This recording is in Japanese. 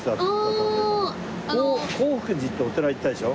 洪福寺ってお寺行ったでしょ？